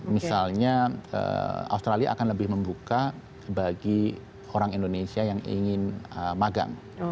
misalnya australia akan lebih membuka bagi orang indonesia yang ingin magang